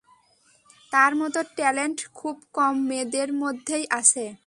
তার মত ট্যালেন্ট খুব কম মেয়েদের মধ্যেই আছে।